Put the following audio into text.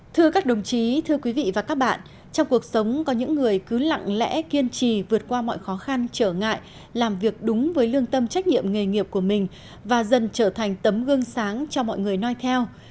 thưa các đồng chí thưa quý vị và các bạn trong cuộc sống có những người cứ lặng lẽ kiên trì vượt qua mọi khó khăn trở ngại làm việc đúng với lương tâm trách nhiệm nghề nghiệp của mình và dần trở thành tấm gương sáng cho mọi người nói theo